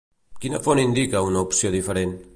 Quina font indica una opció diferent?